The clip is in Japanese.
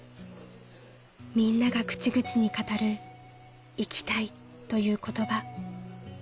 ［みんなが口々に語る「生きたい」という言葉］